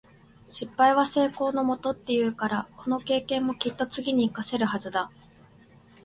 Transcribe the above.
「失敗は成功のもと」って言うから、この経験もきっと次に活かせるはずだ。